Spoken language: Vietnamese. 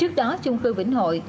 trước đó chung cư vĩnh hội